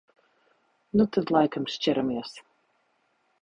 Nu tad laikam šķiramies.